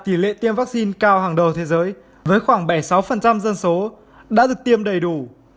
tỷ lệ tiêm vaccine cao hàng đầu thế giới với khoảng bảy mươi sáu dân số đã được tiêm đầy đủ